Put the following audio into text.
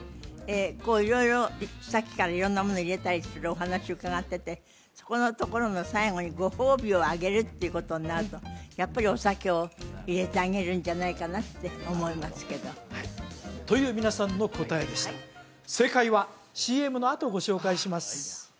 こう色々さっきから色んなものを入れたりするお話伺っててそこのところの最後にご褒美をあげるっていうことになるとやっぱりお酒を入れてあげるんじゃないかなって思いますけどという皆さんの答えでした正解はＣＭのあとご紹介します